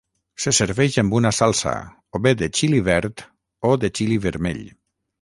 Se serveix amb una salsa, o bé de "xili verd" o de "xili vermell".